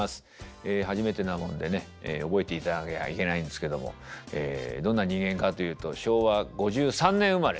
ええ初めてなもんでね覚えていただかなきゃいけないんですけどもどんな人間かというと昭和５３年生まれ。